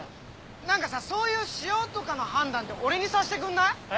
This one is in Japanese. なんかさそういう潮とかの判断って俺にさせてくんない？え？